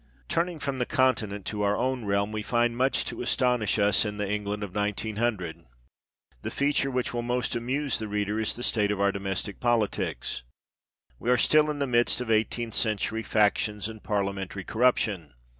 Turning from the Continent to our own realm, we find much to astonish us in the England of 1900. The feature which will most amuse the reader is the state of our domestic politics. We are still in the midst of eighteenth century factions and parliamentary corruption.